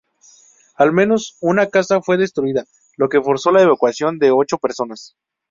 Al menos una casa fue destruida, lo que forzó la evacuación de ocho personas.